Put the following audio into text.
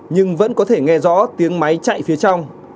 nhưng vẫn có thể nghe rõ tiếng máy chạy phía trong